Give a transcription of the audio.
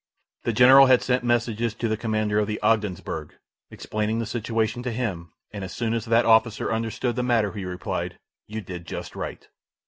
The general had sent messages to the commander of the Ogdensburgh, explaining the situation to him, and as soon as that officer understood the matter he replied, "You did just right."